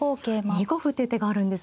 ２五歩という手があるんですか。